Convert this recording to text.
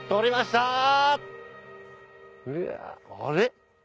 あれ？